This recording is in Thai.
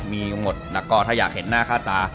มีหมดแล้วก็ถ้าอยากเห็นหน้าค่าตา